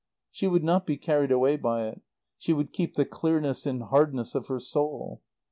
She would not be carried away by it; she would keep the clearness and hardness of her soul.